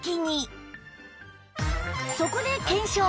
そこで検証